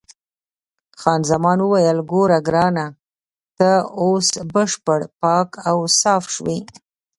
خان زمان وویل: ګوره ګرانه، ته اوس بشپړ پاک او صاف شوې.